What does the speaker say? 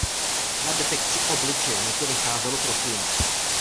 Na detekci obličeje mi to vycházelo trochu jinak.